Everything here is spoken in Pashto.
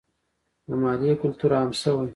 د مالیې کلتور عام شوی؟